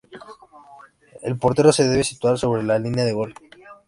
El portero se debe situar sobre la línea de gol.